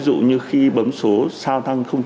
ví dụ như khi bấm số sao thăng